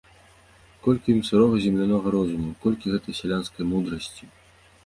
Колькі ў ім сырога землянога розуму, колькі гэтай сялянскай мудрасці.